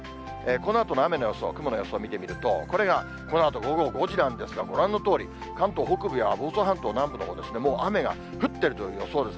このあとの雨の予想、雲の予想見てみると、これがこのあと午後５時なんですが、ご覧のとおり、関東北部や房総半島南部のほうでもう雨が降ってるという予想です。